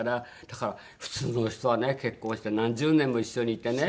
だから普通の人はね結婚して何十年も一緒にいてね。